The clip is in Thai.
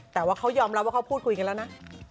แต่ว่าเขายอมรับว่าเขาพูดคุยกันแล้วนะ